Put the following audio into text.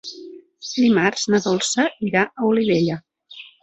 Dimarts na Dolça irà a Olivella.